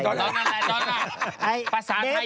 ไอดอนอะไรนะ